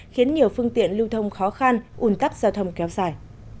khiến nhiều phương tiện lưu thông khó khăn un tắc giao thông kéo dài